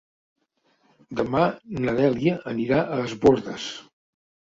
Demà na Dèlia anirà a Es Bòrdes.